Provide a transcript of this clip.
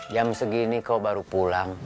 jam segini kau baru pulang